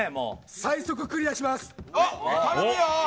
最速クリアします！